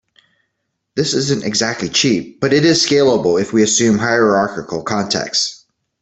This isn't exactly cheap, but it is scalable if we assume hierarchical contexts.